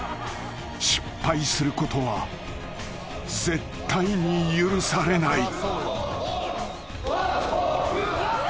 ［失敗することは絶対に許されない］